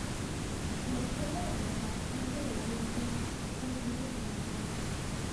La "Historia Danesa" consta de varios tomos, escritos en latín.